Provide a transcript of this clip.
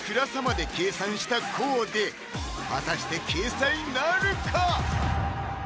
果たして掲載なるか？